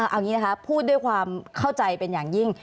เอาอย่างนี้นะคะพูดด้วยความเข้าใจเป็นอย่างยิ่ง